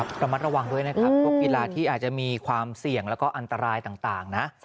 ระมัดระวังด้วยนะครับพวกกีฬาที่อาจจะมีความเสี่ยงแล้วก็อันตรายต่างนะ